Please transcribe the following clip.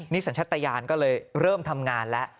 นี่สัญชัตยานก็เลยเริ่มทำงานแล้ว